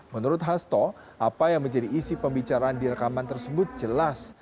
menurut hasto apa yang menjadi isi pembicaraan di rekaman tersebut jelas